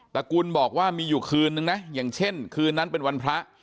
ระกุลบอกว่ามีอยู่คืนนึงนะอย่างเช่นคืนนั้นเป็นวันพระ